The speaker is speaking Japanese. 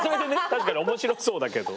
確かに面白そうだけど。